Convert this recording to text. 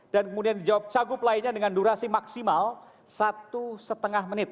dan kemudian jawab cagup lainnya dengan durasi maksimal satu lima menit